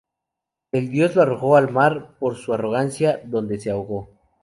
El dios lo arrojó al mar por su arrogancia, donde se ahogó.